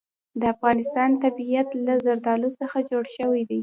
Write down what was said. د افغانستان طبیعت له زردالو څخه جوړ شوی دی.